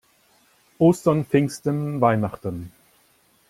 Ostern, Pfingsten, Weihnachten.